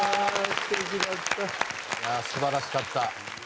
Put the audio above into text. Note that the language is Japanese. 素晴らしかった。